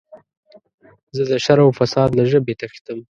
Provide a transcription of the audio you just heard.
زه د شر او فساد له ژبې تښتم.